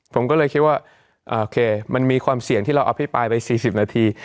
ผมก็เลยคิดว่าโอเคมันมีความเสี่ยงที่เราอภิปรายไป๔๐นาที